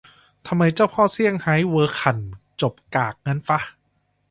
ทำไมเจ้าพ่อเซี่ยงไฮ้เวอร์ขั่น จบกากงั้นฟะ